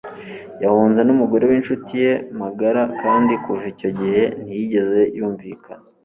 Yahunze n'umugore w'incuti ye magara kandi kuva icyo gihe ntiyigeze yumvikana